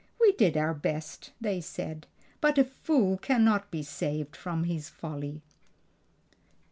"We did our best," they said; "but a fool cannot be saved from his folly."